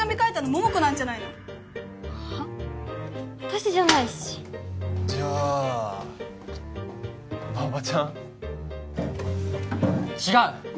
私じゃないしじゃあ馬場ちゃん？違う！